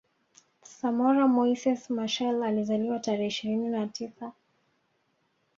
Samora Moises Machel Alizaliwa tarehe ishirini na tisa